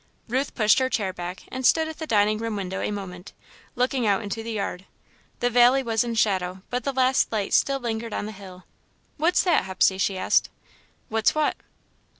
Ruth pushed her chair back and stood at the dining room window a moment, looking out into the yard. The valley was in shadow, but the last light still lingered on the hill. "What's that, Hepsey?" she asked. "What's what?"